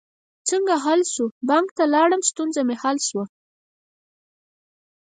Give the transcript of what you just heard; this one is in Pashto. څنګه حل شوه؟ بانک ته لاړم، ستونزه می حل شوه